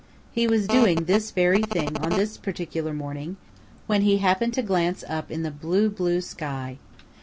He was doing this very thing on this particular morning when he happened to glance up in the blue, blue sky.